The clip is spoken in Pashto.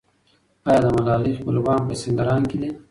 آیا د ملالۍ خپلوان په سینګران کې دي؟